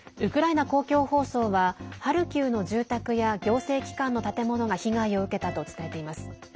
ウクライナ公共放送はハルキウの住宅や行政機関の建物が被害を受けたと伝えています。